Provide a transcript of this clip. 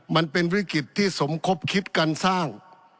มันเป็นวิกฤตที่สมคบคิดการสร้าง